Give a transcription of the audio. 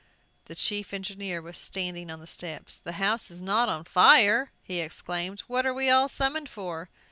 The chief engineer was standing on the steps. "The house not on fire!" he exclaimed. "What are we all summoned for?"